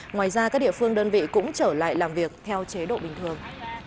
ngoài ra các địa phương đơn vị cũng trở lại làm việc theo chế độ bình thường